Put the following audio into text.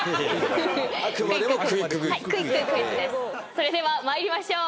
それでは参りましょう。